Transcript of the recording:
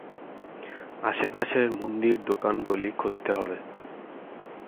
আশেপাশের মুন্দির দোকানগুলি খুঁজতে হবে।